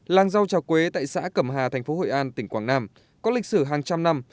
làng rau trà quế tại xã cẩm hà thành phố hội an tỉnh quảng nam có lịch sử hàng trăm năm